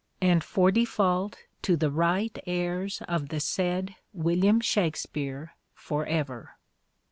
. and for defalt to the right heires of the saied William Shackspeare, for ever."